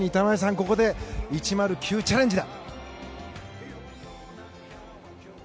ここで１０９チャレンジだ。